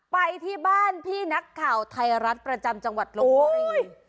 ไปที่บ้านพี่นักข่าวไทยรัฐประจำจังหวัดลงโบราณอีก